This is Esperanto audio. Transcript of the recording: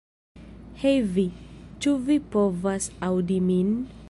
Hej vi, ĉu vi povas aŭdi min?